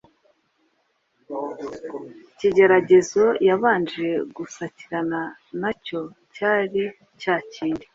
Ikigeragezo yabanje gusakirana na cyo cyari cya kindi